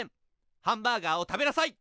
ハンバーガーを食べなさい！